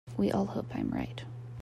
We all hope I am right.